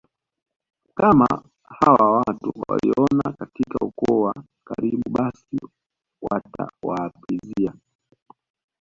kama hawa watu walioana katika ukoo wa karibu basi watawaapizia